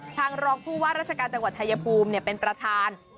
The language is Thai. ทางรองผู้ว่าราชการจังหวัดชายภูมิเป็นประธาน